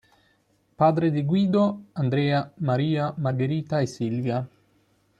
Padre di Guido, Andrea, Maria, Margherita e Silvia.